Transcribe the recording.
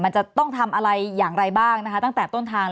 มันจะต้องทำอะไรอย่างไรบ้างนะคะตั้งแต่ต้นทาง